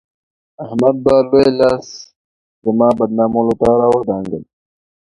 احمد به لوی لاس زما بدنامولو ته راودانګل.